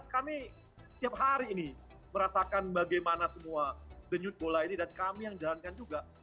kami tiap hari ini merasakan bagaimana semua denyut bola ini dan kami yang jalankan juga